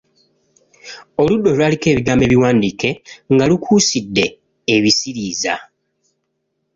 Oludda olwaliko ebigambo ebiwandiike nga lukuusidde ebisiriiza.